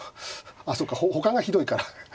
ああそうかほかがひどいから。